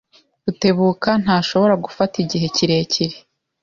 Rutebuka ntashobora gufata igihe kirekire.